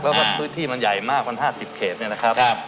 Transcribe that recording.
แล้วก็พื้นที่มันใหญ่มากมัน๕๐เขตเนี่ยนะครับ